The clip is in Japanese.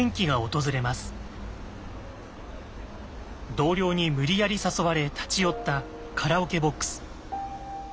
同僚に無理やり誘われ立ち寄ったカラオケボックス。